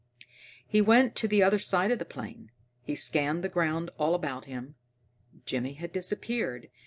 He went to the other side of the plane, he scanned the ground all about him. Jimmy had disappeared.